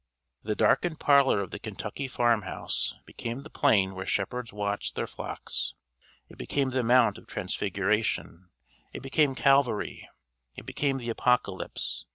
The darkened parlor of the Kentucky farmhouse became the plain where shepherds watched their flocks it became the Mount of Transfiguration it became Calvary it became the Apocalypse.